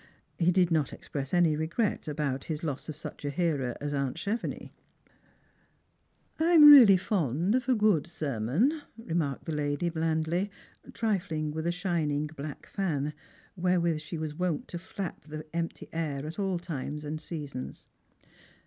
He did not express any regret about his loss of such a hearer as aunt Chevenix. "I am really fond of a good sermon," remarked the lady blandly, trifling with a shining black fan, wherewith she was wont to flap the empty air at all times and seasons.